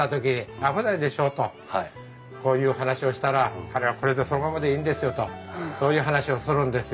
こういう話をしたら彼はこれでそのままでいいんですよとそういう話をするんですよ。